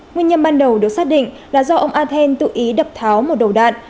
nguyên nhân ban đầu được xác định là do ông athen tự ý đập tháo một đầu đạn